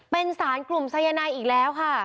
เป็นสารกลุ่มสายนายอีกแล้วค่ะ